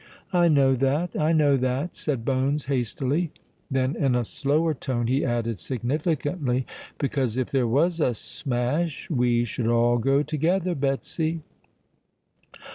"I know that—I know that," said Bones, hastily: then in a slower tone he added significantly, "Because if there was a smash, we should all go together, Betsy."